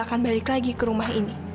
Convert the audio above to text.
akan balik lagi ke rumah ini